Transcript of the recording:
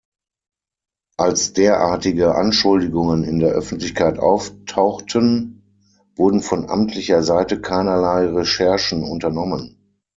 Als derartige Anschuldigungen in der Öffentlichkeit auftauchten, wurden von amtlicher Seite keinerlei Recherchen unternommen.